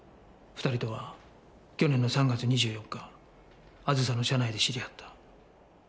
２人とは去年の３月２４日あずさの車内で知り合った。